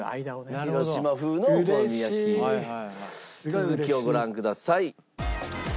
続きをご覧ください。